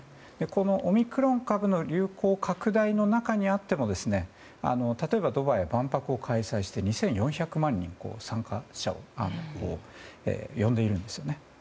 このオミクロン株の流行拡大の中にあっても例えばドバイは万博を開催して２４００万人の参加者を呼んでいるんですね。